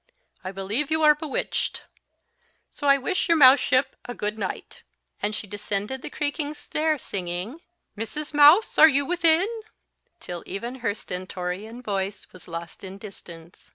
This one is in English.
I believe you are bewitched! So I wish your mouseship a good night." And she descended the creaking stair, singing, "Mrs. Mouse, are you within?" till even her stentorian voice was lost in distance.